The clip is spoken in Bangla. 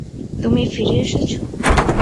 তুমি ফিরে এসেছো!